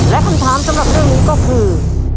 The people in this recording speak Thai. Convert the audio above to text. และคำถามสำหรับเรื่องนี้ก็คือ